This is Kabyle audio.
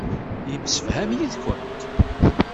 Yettemsefham yid-kent.